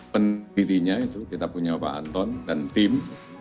penelitinya itu kita punya pak anton dan tim